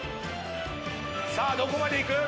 さあどこまで行く？